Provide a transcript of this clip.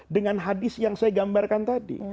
dengan hadis yang saya gambarkan tadi